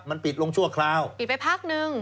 มันปิดลงชั่วคราวปิดไปพักนึง